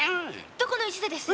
どこの一座です？